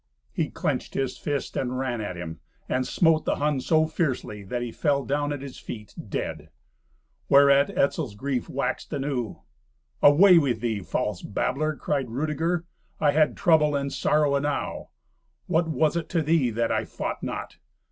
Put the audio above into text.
He clenched his fist, and ran at him, and smote the Hun so fiercely that he fell down at his feet, dead. Whereat Etzel's grief waxed anew. "Away with thee, false babbler!" cried Rudeger. "I had trouble and sorrow enow. What was it to thee that I fought not?